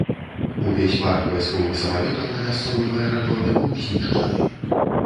Увесь парк вайсковых самалётаў на мясцовым аэрадроме быў знішчаны.